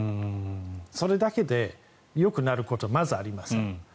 それだけでよくなることはまずありません。